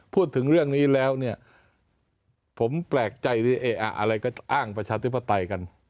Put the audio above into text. พูดถึงเรื่องนี้แล้วเนี่ยผมแปลกใจอะไรก็อ้างประชาธิปไตยกัน